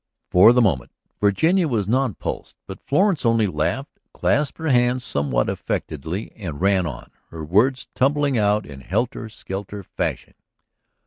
For the moment Virginia was nonplussed. But Florence only laughed, clasped her hands somewhat affectedly and ran on, her words tumbling out in helter skelter fashion.